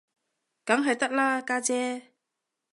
梗係得啦，家姐